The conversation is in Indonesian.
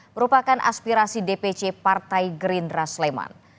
merupakan aspirasi dpc partai gerindra sleman